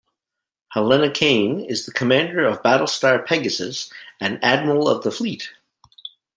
Helena Cain is the commander of Battlestar "Pegasus" and Admiral of the fleet.